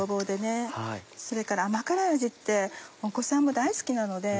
それから甘辛い味ってお子さんも大好きなので。